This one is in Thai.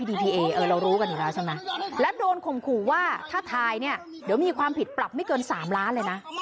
เดี๋ยวมีความผิดปรับไม่เกิน๓ล้านเลยนะ